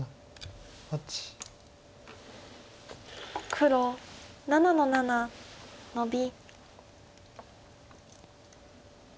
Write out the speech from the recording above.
黒７の七ノビ。